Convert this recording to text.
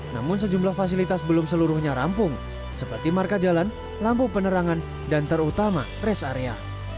namun sejumlah fasilitas belum seluruhnya rampung seperti marka jalan lampu penerangan dan terutama rest area